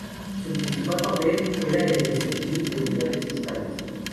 Su principal papel era el de servir de unidades fiscales.